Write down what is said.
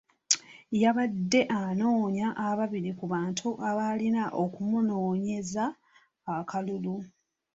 Yabadde anoonya ababiri ku bantu be abalina okumunoonyeza akalulu.